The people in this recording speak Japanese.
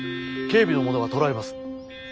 警備の者が捕らえます。